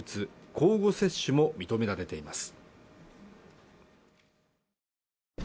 交互接種も認められています